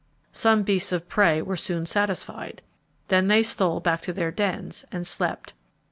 Some beasts of prey were soon satisfied. Then they stole back to their dens and slept.